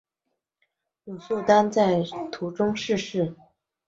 鲁速丹在途中逝世。